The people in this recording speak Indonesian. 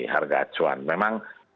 harga acuan memang